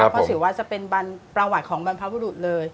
เพราะถือว่าจะเป็นประวัติของบรรพบุรุษเลย